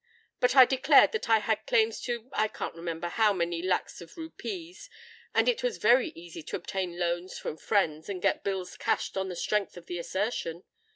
But I declared that I had claims to I can't remember how many lacs of rupees; and it was very easy to obtain loans from friends and get bills cashed on the strength of the assertion.